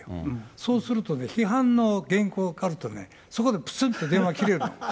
そうするとね、批判の原稿があるとね、そこでぷつんと電話が切れるの。